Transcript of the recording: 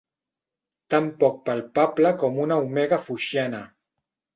Tan poc palpable com una omega foixiana.